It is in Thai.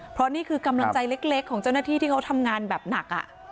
เพราะนี่คือกำลังใจเล็กของเจ้าหน้าที่ที่เขาทำงานแบบหนัก